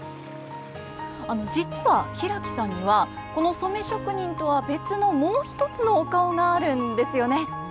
実は平木さんにはこの染職人とは別のもう一つのお顔があるんですよね。